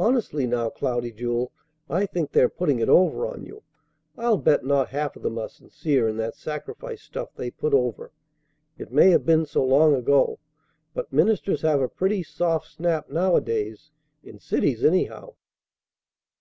Honestly, now, Cloudy Jewel, I think they're putting it over on you. I'll bet not half of them are sincere in that sacrifice stuff they put over. It may have been so long ago; but ministers have a pretty soft snap nowadays, in cities anyhow."